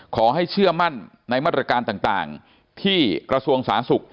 ขอให้เชื่อมั่นในมาตรการต่างที่กระทรวงสาธารณสุข